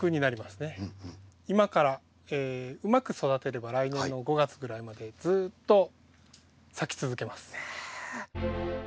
今からうまく育てれば来年の５月ぐらいまでずっと咲き続けます。